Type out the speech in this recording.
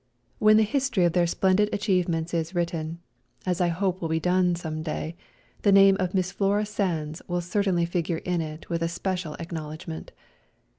When the history of their splendid achievements is written — as I hope will be done some day— the name of Miss Flora Sandes will certainly figure in it with a special acknowledgment.